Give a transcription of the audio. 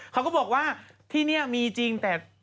เขาก็บอกว่าที่นี่มีจริงแต่